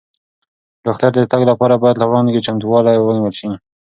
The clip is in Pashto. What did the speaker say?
ډاکټر ته د تګ لپاره باید له وړاندې چمتووالی ونیول شي.